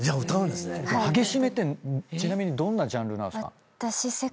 激しめってちなみにどんなジャンルなんですか？